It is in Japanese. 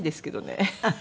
ハハハ。